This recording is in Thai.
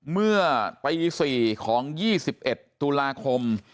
เมื่อปี๔ของ๒๑ตุลาคม